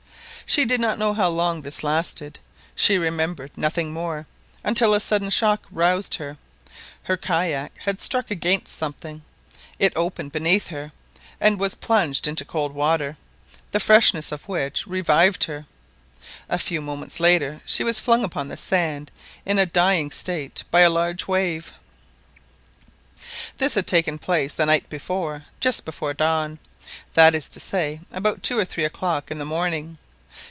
She did not know how long this lasted, she remembered nothing more, until a sudden shock roused her, her kayak had struck against something, it opened beneath her, and she was plunged into cold water, the freshness of which revived her. A few moments later, she was flung upon the sand in a dying state by a large wave. This had taken place the night before, just before dawn—that is to say, about two or three o'clock in the morning.